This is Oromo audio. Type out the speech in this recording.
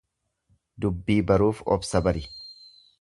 Dubbii baruuf obsa bari.